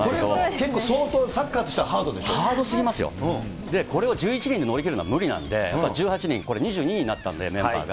結構、相当サッカーとしてはハードすぎますよ、これを１１人で乗り切るのは、無理なんで、１８人、これ２２人になったんで、メンバーが。